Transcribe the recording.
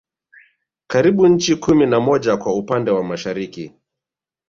Karibia nchi kumi na moja kwa upande wa Mashariki